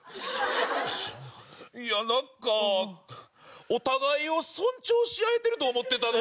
いやなんかお互いを尊重し合えてると思ってたのに。